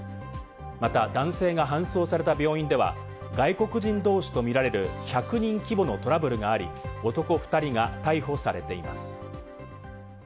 また、男性が搬送された病院では、外国人同士とみられる１００人規模のトラブルがあり、男２人が逮捕されています。